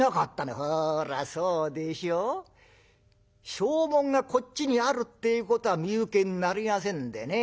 証文がこっちにあるってえことは身請けになりませんでね。